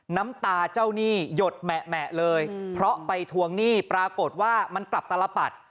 น้ำตาเจ้าหนี้หยดแหมะเลยเพราะไปทวงหนี้ปรากฏว่ามันกลับตลปัด